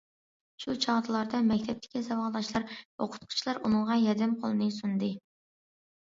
شۇ چاغلاردا، مەكتەپتىكى ساۋاقداشلار، ئوقۇتقۇچىلار ئۇنىڭغا ياردەم قولىنى سۇندى.